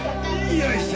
よいしょ！